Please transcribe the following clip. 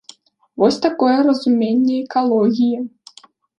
Вось такое разуменне экалогіі.